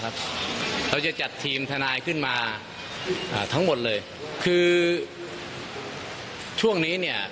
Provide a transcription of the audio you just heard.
เราจะจัดทีมทนายขึ้นมาอ่าทั้งหมดเลยคือช่วงนี้เนี่ย